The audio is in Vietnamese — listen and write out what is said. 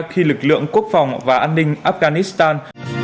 khi lực lượng quốc phòng và an ninh afghanistan